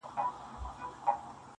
صبر د انسان زړورتیا ده.